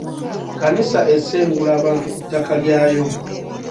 Kkanisa esengula abantu ku ttaka lyayo.